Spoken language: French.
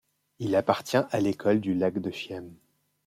Il appartient à l'école du lac de Chiem.